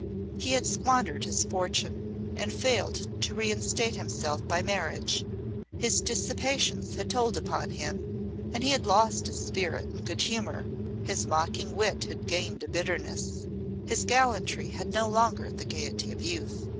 He had squandered his fortune, and failed to reinstate himself by marriage; his dissipations had told upon him, and he had lost his spirit and good humour; his mocking wit had gained a bitterness; his gallantry had no longer the gaiety of youth.